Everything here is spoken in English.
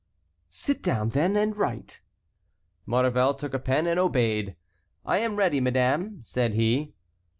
"Sit down, then, and write." Maurevel took a pen and obeyed. "I am ready, madame," said he.